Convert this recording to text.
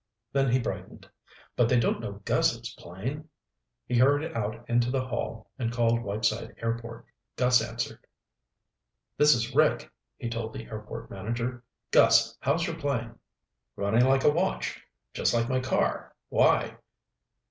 Then he brightened. "But they don't know Gus's plane!" He hurried out into the hall and called Whiteside Airport. Gus answered. "This is Rick," he told the airport manager. "Gus, how's your plane?" "Running like a watch. Just like my car. Why?"